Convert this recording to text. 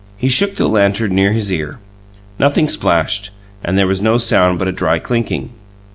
He shook the lantern near his ear: nothing splashed; there was no sound but a dry clinking.